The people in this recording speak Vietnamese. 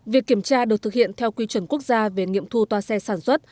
việc kiểm tra được thực hiện theo quy chuẩn quốc gia về nghiệm thu toa xe sản xuất